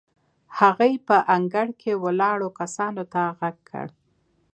هغې په انګړ کې ولاړو کسانو ته غږ کړ.